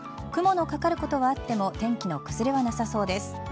雲のかかることはあっても天気の崩れはなさそうです。